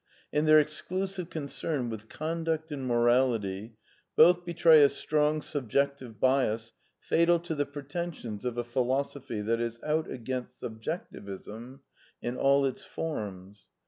In their exclusive concern with conduct and morality both betray a strong subjective bias fatal to the pretensions of a philosophy that is out against subjectivism in all its forms.